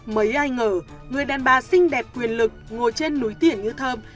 mấy ai ngờ người đàn bà xinh đẹp quyền lực ngồi trên núi tiển như thơm